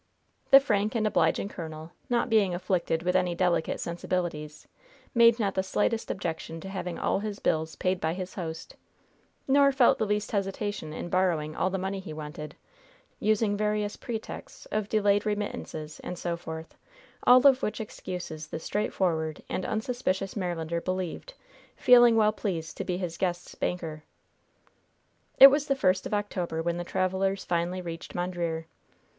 The frank and obliging colonel not being afflicted with any delicate sensibilities, made not the slightest objection to having all his bills paid by his host, nor felt the least hesitation in borrowing all the money he wanted, using various pretexts of delayed remittances, and so forth, all of which excuses the straightforward and unsuspicious Marylander believed, feeling well pleased to be his guest's banker. It was the first of October when the travelers finally reached Mondreer.